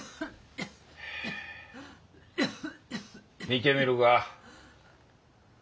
診てみるか？